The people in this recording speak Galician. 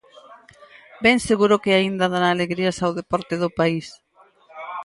Ben seguro que aínda dará alegrías ao deporte do país.